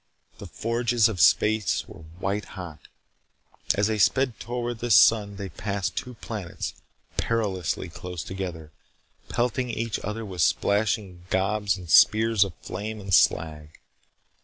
The forges of space were white hot. As they sped toward this sun, they passed two planets, perilously close together, pelting each other with splashing gobs and spears of flame and slag.